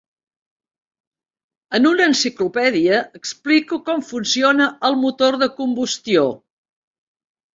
En una enciclopèdia explico com funciona el motor de combustió.